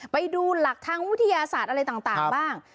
ไปดูหลักทางวิทยาศาสตร์อะไรต่างบ้าง